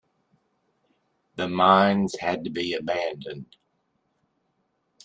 The mines had to be abandoned.